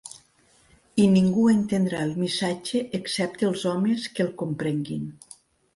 I ningú entendrà el missatge excepte els homes que el comprenguin.